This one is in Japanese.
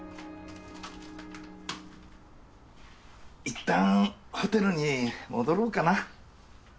いったんホテルに戻ろうかな。